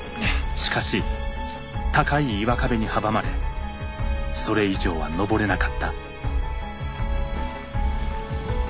しかし高い岩壁に阻まれそれ以上は登れなかった。